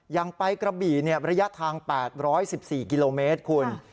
อย่างไปกระบี่ระยะทาง๘๑๔กิโลเมตรคุณ